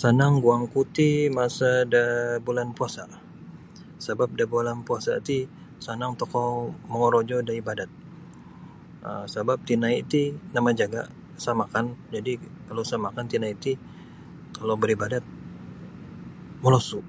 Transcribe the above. Sanang guangku ti masa da bulan puasa' sabab da bulan puasa' ti sanang tokou mogorojo da ibadat um sabab tinai' ti namajaga sa makan jadi' kalau sa makan tinai' ti kalau baribadat molosu'.